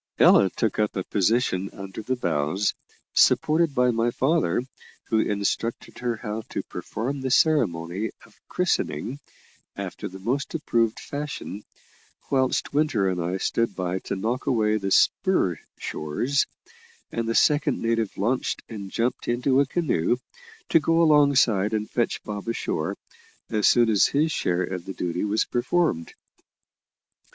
Ella took up a position under the bows, supported by my father, who instructed her how to perform the ceremony of christening after the most approved fashion, whilst Winter and I stood by to knock away the spur shores, and the second native launched and jumped into a canoe, to go alongside and fetch Bob ashore, as soon as his share of the duty was performed.